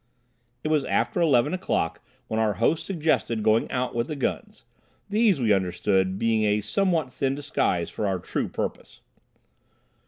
It was after eleven o'clock when our host suggested going out with the guns, these, we understood, being a somewhat thin disguise for our true purpose.